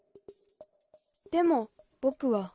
「でも、ぼくは」